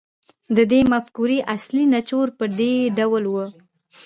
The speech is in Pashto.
د دې مفکورې اصلي نچوړ په دې ډول و